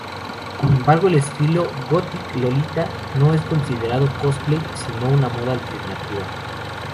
Sin embargo, el estilo Gothic Lolita no es considerado cosplay, sino una moda alternativa.